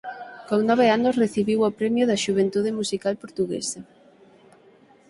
Con nove anos recibiu o premio da Xuventude Musical Portuguesa.